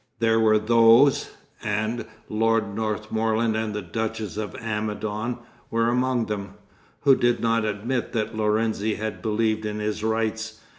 There were those and Lord Northmorland and the Duchess of Amidon were among them who did not admit that Lorenzi had believed in his "rights."